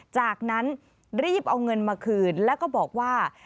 จากนั้นรีบเอาเงินมาคืนแล้วก็บอกว่า